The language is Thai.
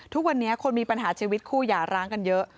ทุกวันนี้คนมีปัญหาชีวิตคู่อย่าร้างกันเยอะ